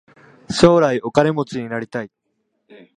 将来お金持ちになりたい。